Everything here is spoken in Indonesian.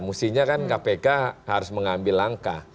mesti kpk harus mengambil langkah